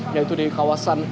yaitu di kawasan